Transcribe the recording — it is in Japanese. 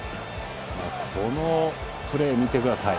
このプレー見てください。